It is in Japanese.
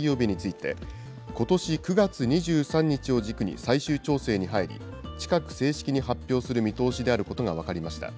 日について、ことし９月２３日を軸に最終調整に入り、近く正式に発表する見通しであることが分かりました。